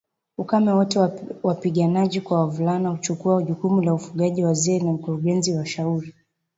ukame wote wapiganaji kwa wavulana huchukua jukumu la ufugaji Wazee ni wakurugenzi na washauri